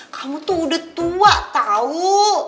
kamu tuh udah tua tau